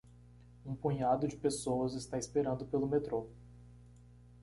Um punhado de pessoas está esperando pelo metrô.